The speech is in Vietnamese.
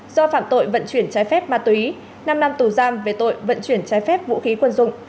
do phạm tội vận chuyển trái phép ma túy năm năm tù giam về tội vận chuyển trái phép vũ khí quân dụng